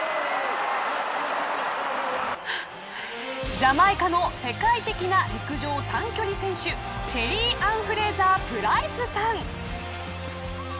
ジャマイカの世界的な陸上短距離選手シェリー＝アン・フレーザー＝プライスさん。